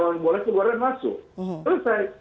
boleh keluar dan masuk selesai